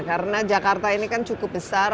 karena jakarta ini kan cukup besar